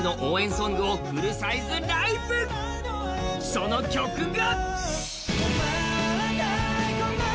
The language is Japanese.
その曲が？